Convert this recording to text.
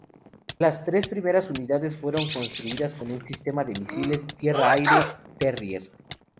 Las tres primeras unidades fueron construidas con un sistema de misiles tierra-aire Terrier.